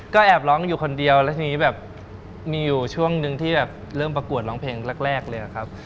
ก็แอบร้องอยู่คนเดียวแล้วทีนี้แบบมีอยู่ช่วงนึงที่แบบเริ่มประกวดร้องเพลงแรกเลยครับ